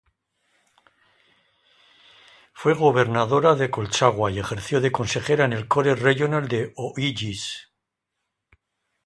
Fue gobernadora de Colchagua y ejerció de consejera en el Core Regional de O'Higgins.